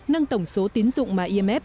nâng tổng số tín dụng mà imf